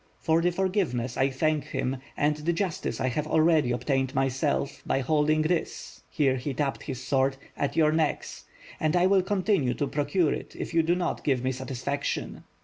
"For the forgiveness, I thank him, and the justice I have already obtained myself, by holding this" — here he tapped his sword, "at your necks, and I will continue to procure it, if you do not give me satisfaction."